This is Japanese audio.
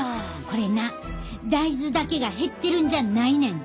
これな大豆だけが減ってるんじゃないねん。